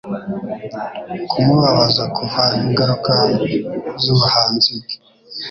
kumubabaza kuva ingaruka zubuhanzi bwe